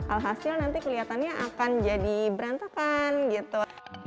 alhasil nanti kelihatannya akan jadi berantakan gitu